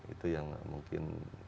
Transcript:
itu yang mungkin